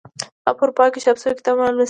هغه په اروپا کې چاپ شوي کتابونه لوستي وو.